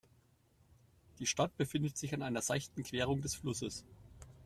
Die Stadt befindet sich an einer seichten Querung des Flusses.